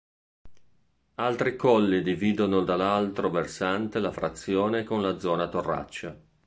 Altri colli dividono dall'altro versante la frazione con la zona Torraccia.